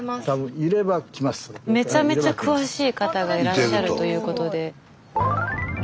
スタジオめちゃめちゃ詳しい方がいらっしゃるということで。